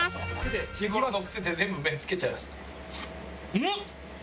うん！